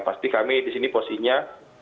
pasti kami di sini posisinya